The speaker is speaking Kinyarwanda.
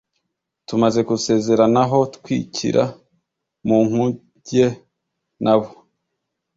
Tumaze gusezeranaho twikira mu nkuge na bo